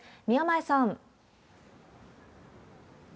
宮前さん。